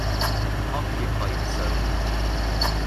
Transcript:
Occupied Zone.